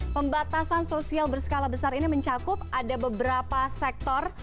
pembatasan sosial berskala besar ini mencakup ada beberapa sektor